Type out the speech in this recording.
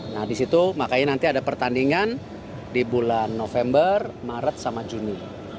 nah di situ makanya nanti ada pertandingan di bulan november maret sama juni